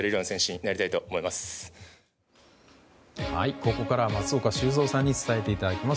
ここからは松岡修造さんに伝えていただきます。